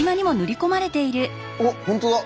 おっ本当だ。